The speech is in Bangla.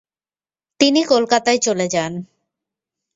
তিনি কলকাতায় চলে যান।